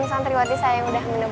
santriwati saya yang sudah menebur